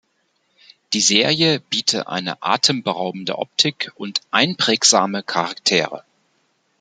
Die Serie biete eine atemberaubende Optik und einprägsame Charaktere.